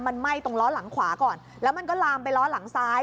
มันไหม้ตรงล้อหลังขวาก่อนแล้วมันก็ลามไปล้อหลังซ้าย